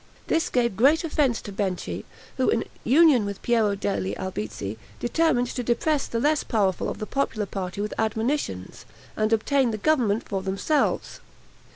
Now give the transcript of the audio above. This gave great offense to Benchi, who, in union with Piero degli Albizzi, determined to depress the less powerful of the popular party with ADMONITIONS, and obtain the government for themselves.